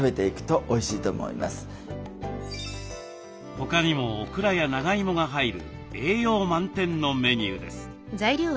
他にもオクラや長いもが入る栄養満点のメニューです。